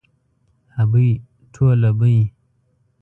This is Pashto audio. ابۍ ټوله بۍ.